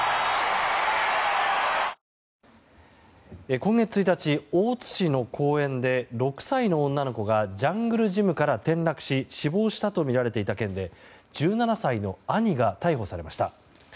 今月１日大津市の公園で６歳の女の子がジャングルジムから転落し死亡したとみられていた件で１７歳の兄が逮捕されました。